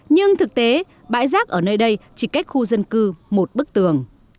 nhưng thực tế bãi rác ở nơi đây chỉ cách khu dân cư một bức tường